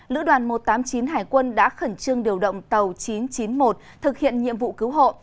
lữ đoàn một trăm tám mươi chín hải quân đã khẩn trương điều động tàu chín trăm chín mươi một thực hiện nhiệm vụ cứu hộ